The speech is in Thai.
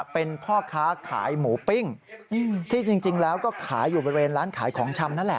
เป็นพ่อค้าขายหมูปิ้ง